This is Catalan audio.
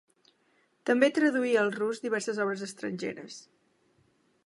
També traduí al rus diverses obres estrangeres.